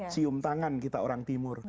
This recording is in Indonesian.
cium tangan kita orang timur